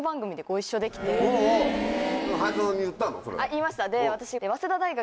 言いました私。